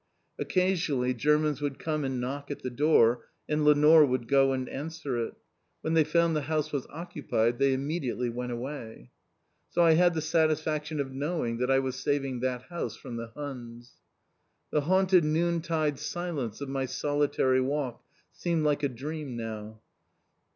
Occasionally Germans would come and knock at the door, and Lenore would go and answer it. When they found the house was occupied they immediately went away. So I had the satisfaction of knowing that I was saving that house from the Huns. The haunted noontide silence of my solitary walk seemed like a dream now.